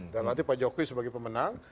dan nanti pak jokowi sebagai pemenang